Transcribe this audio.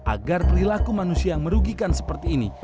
agar perilaku manusia yang merugikan seperti ini